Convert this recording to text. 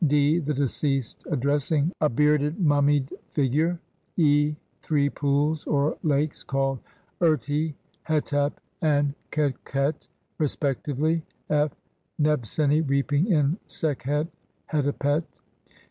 (d)The deceased addressing a bearded, mummied figure, (e) Three Pools or Lakes called Urti, 3 Hetep, 4 and Qetqet respectively, (f) Nebseni reaping in Sekhet hetepet.